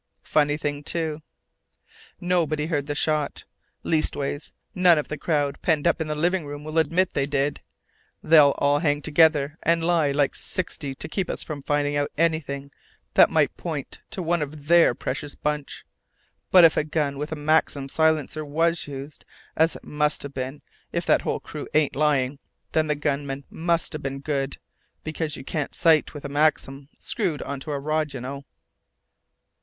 Funny thing, too. Nobody heard the shot leastways none of that crowd penned up in the living room will admit they did. They'll all hang together, and lie like sixty to keep us from finding out anything that might point to one of their precious bunch! But if a gun with a Maxim silencer was used, as it must have been if that whole crew ain't lying, the gunman musta been good, because you can't sight with a Maxim screwed onto a rod, you know."